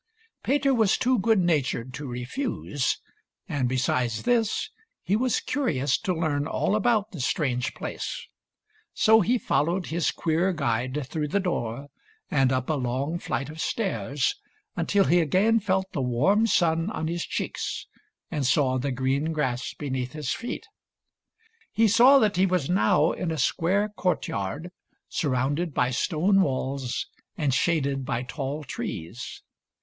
Peter was too good natured to refuse, and besides this he was curious to learn all about the strange place. So he followed his queer guide through the door and up a long flight of stairs until he again felt the warm sun on his cheeks and saw the green grass beneath his feet. He saw that he was now in a square courtyard surrounded by stone walls and shaded by tall trees.